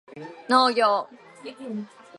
農業